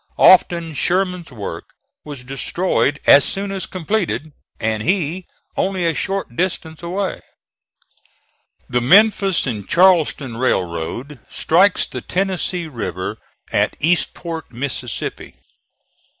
Often Sherman's work was destroyed as soon as completed, and he only a short distance away. The Memphis and Charleston Railroad strikes the Tennessee River at Eastport, Mississippi.